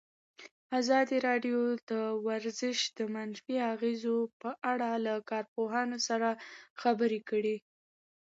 ازادي راډیو د ورزش د منفي اغېزو په اړه له کارپوهانو سره خبرې کړي.